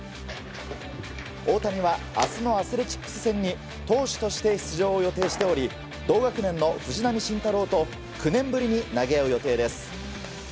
大谷は明日のアスレチックス戦に投手として出場を予定しており同学年の藤浪晋太郎と９年ぶりに投げ合う予定です。